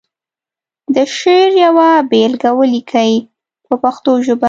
د شعر یوه بېلګه ولیکي په پښتو ژبه.